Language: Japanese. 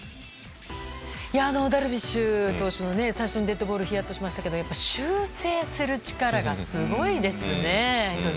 ダルビッシュ投手の最初のデッドボールはひやっとしましたが修正する力がすごいですね。